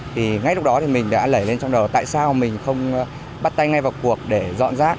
thì ngay lúc đó thì mình đã đẩy lên trong đầu tại sao mình không bắt tay ngay vào cuộc để dọn rác